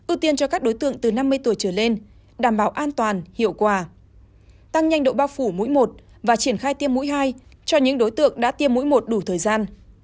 ưu tiên cho các đối tượng từ năm mươi tuổi trở lên đảm bảo an toàn hiệu quả tăng nhanh độ bao phủ mũi một và triển khai tiêm mũi hai cho những đối tượng đã tiêm mũi một đủ thời gian